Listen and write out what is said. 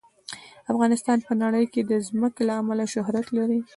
افغانستان په نړۍ کې د ځمکه له امله شهرت لري.